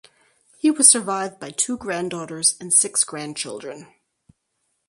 He was survived by two daughters and six grandchildren.